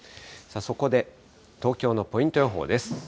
そこで、東京のポイント予報です。